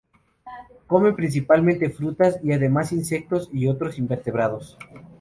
Comen principalmente frutas y además insectos y otros invertebrados.